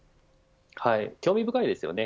興味深いですよね。